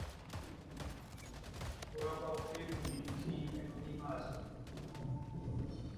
ওরা ভাববে তুমি বুঝি এখনই মারা যাবে।